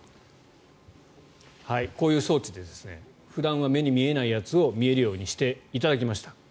こういう装置で普段は目に見えないやつを見えるようにしていただきました。